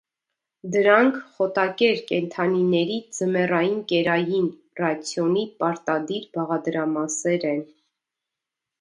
Դրանք խոտակեր կենդանիների ձմեռային կերային ռացիոնի պարտադիր բաղադրամասերն են։